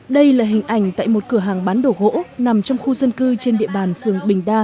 đây là hình ảnh tại một cửa hàng bán đồ gỗ nằm trong khu dân cư trên địa bàn phường bình đa